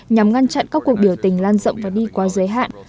nhằm ngăn chặn các cuộc biểu tình lan rộng và đi qua giới hạn